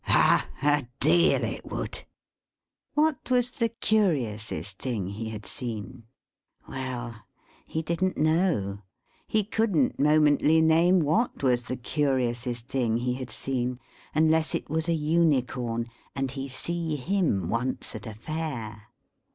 Ah! A deal, it would. What was the curiousest thing he had seen? Well! He didn't know. He couldn't momently name what was the curiousest thing he had seen unless it was a Unicorn, and he see him once at a Fair.